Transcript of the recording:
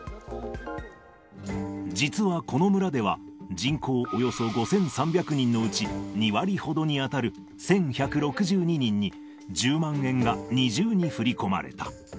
実はこの村では、人口およそ５３００人のうち２割ほどに当たる１１６２人に、１０万円が二重に振り込まれた。